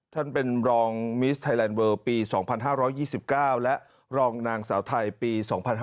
ท่านเป็นรองมิสไทยแลนดเลิลปี๒๕๒๙และรองนางสาวไทยปี๒๕๕๙